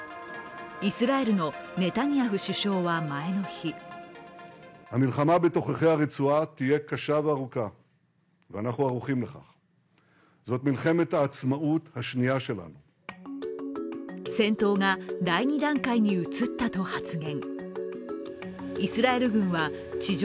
イスラエルのネタニヤフ首相は前の日戦闘が第２段階に移ったと発言。